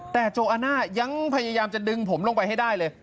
แต่โจอาน่ายังพยายามจะดึงผมลงไปให้ได้เลย